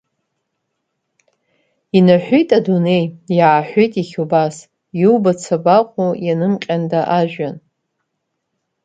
Инаҳәит адунеи, иааҳәит иахьа убас, иубац абаҟоу ианымҟьанда ажәҩан!